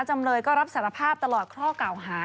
จำเลยก็รับสารภาพตลอดข้อเก่าหา